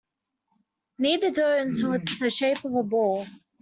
Knead the dough until it is the shape of a ball.